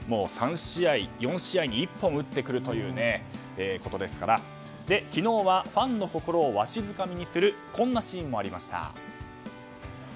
３試合、４試合に１本打ってくるということですから昨日はファンの心をわしづかみにするこんなシーンもありました。